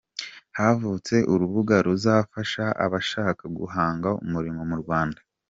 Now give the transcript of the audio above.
Havutse urubuga ruzafasha abashaka guhanga umurimo mu Rwanda